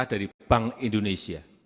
kita dari bank indonesia